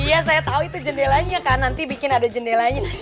iya saya tahu itu jendelanya kan nanti bikin ada jendelanya